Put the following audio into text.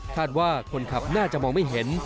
คาดว่าคนขับน่าจะมองไม่เห็น